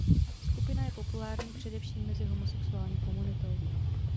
Skupina je populární především mezi homosexuální komunitou.